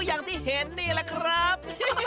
อย่างที่เห็นนี่แหละครับ